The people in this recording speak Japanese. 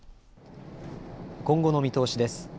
今後の見通しです。